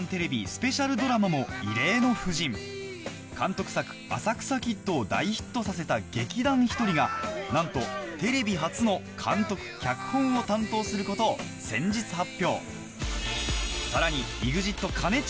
スペシャルドラマも異例の布陣監督作『浅草キッド』を大ヒットさせた劇団ひとりがなんとテレビ初の監督・脚本を担当することを先日発表